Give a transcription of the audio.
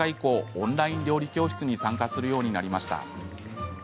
オンライン料理教室に参加するようになりました。